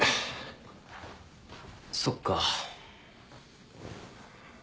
そっか。